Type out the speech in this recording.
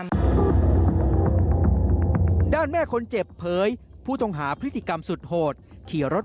มันไม่ใช่เรื่องใหญ่โตเราก็ไม่ว่าเลย